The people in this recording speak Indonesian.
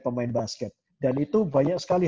pemain basket dan itu banyak sekali